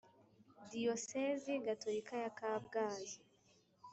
Diyosezi gatolika ya kabgayi